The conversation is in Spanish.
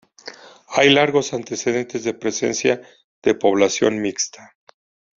Hay largos antecedentes de presencia de población mixta.